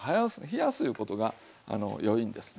冷やすいうことがいいんです。